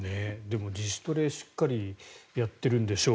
自主トレをしっかりやってるんでしょう。